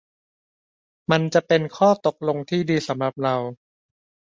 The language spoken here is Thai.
มันจะเป็นข้อตกลงที่ดีสำหรับเรา